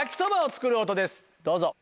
どうぞ。